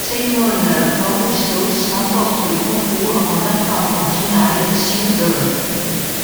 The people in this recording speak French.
Seimone Augustus remporte le concours en battant en finale Sue Bird.